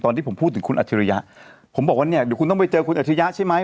ที่ผมพูดถึงคุณอัจฉริยะผมบอกว่าเนี่ยเดี๋ยวคุณต้องไปเจอคุณอัจฉริยะใช่ไหม